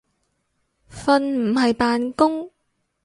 瞓唔係扮工